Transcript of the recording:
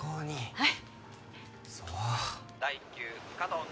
はい！